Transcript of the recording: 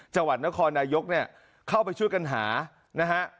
จังหวัดนครนายกเนี่ยเข้าไปช่วยกันหานะฮะ